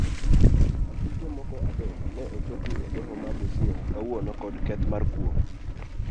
Achije moko adek ne ochopii edoho ma busia kawuono kod keth mar kuo.